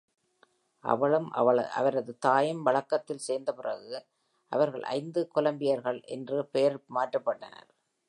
அவளும் அவரது தாயும் வழக்கத்தில் சேர்ந்த பிறகு அவர்கள் "ஐந்து கொலம்பியர்கள்" என்று பெயர் மாற்றப்பட்டனர்.